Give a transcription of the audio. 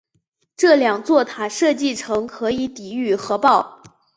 这两座塔设计成可以抵御核爆。